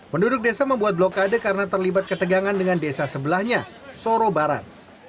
penduduk desa membuat blokade karena terlibat ketegangan dengan desa sebelahnya soro barat